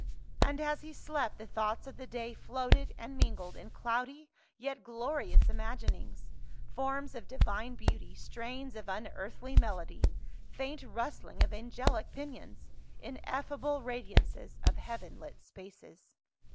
And as he slept, the thoughts of the day floated and mingled in cloudy yet glorious imaginings, forms of divine beauty, strains of unearthly melody, faint rusthng of angelic pinions, in effable radiances of heaven lit spaces.